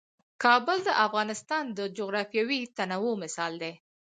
کابل د افغانستان د جغرافیوي تنوع مثال دی.